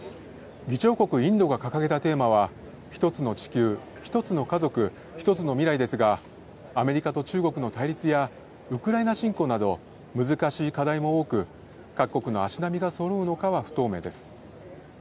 議長国インドが掲げたテーマは、１つの地球、１つの家族、１つの未来ですが、アメリカと中国の対立やウクライナ侵攻など難しい課題も多く、各国の足並みがそろうのかは不透明です。